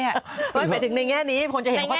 ระบะไปถึงในแน่นี้เค้นจะเห็นเพราะตลก